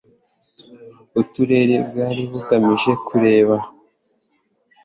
Uturere bwari bugamije kureba